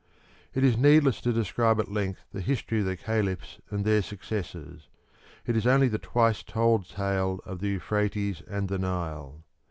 It is needless to describe at length the history of the Caliphs and their successors it is only the twice told tale of the Euphrates and the Nile.